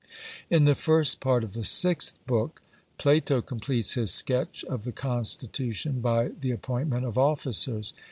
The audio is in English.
In the first part of the sixth book, Plato completes his sketch of the constitution by the appointment of officers.